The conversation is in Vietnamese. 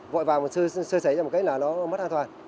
vội vàng mà sơ sấy ra một cái là nó mất an toàn